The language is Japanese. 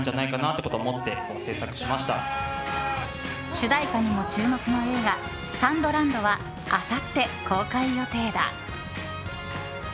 主題歌にも注目の映画「ＳＡＮＤＬＡＮＤ」はあさって公開予定だ。